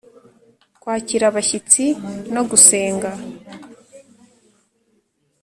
Kwakira abashyitsi no gusenga